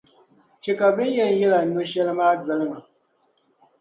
chɛ ka bɛ ni yɛn yɛl’ a no’ shɛli maa doli ma.